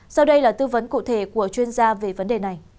sau đây là tư vấn cụ thể của chuyên gia về vấn đề này